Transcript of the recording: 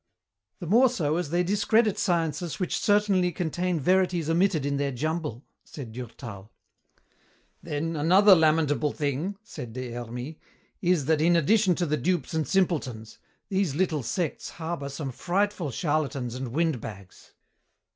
"The more so as they discredit sciences which certainly contain verities omitted in their jumble," said Durtal. "Then another lamentable thing," said Des Hermies, "is that in addition to the dupes and simpletons, these little sects harbour some frightful charlatans and windbags."